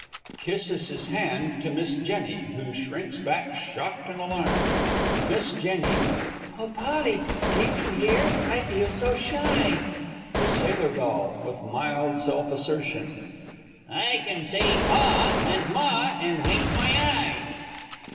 [Kisses his hand to Miss J., who shrinks back, shocked and alarmed. Miss J. Oh, Polly, did you hear? I feel so shy! The Sailor D. (with mild self assertion). I can say "Pa" and "Ma" and wink my eye.